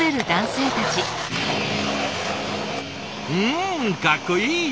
んかっこいい！